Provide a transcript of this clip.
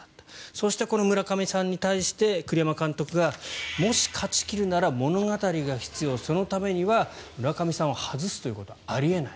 そして村上さんに対して栗山監督がもし勝ち切るなら物語が必要そのためには村上さんを外すということはあり得ない。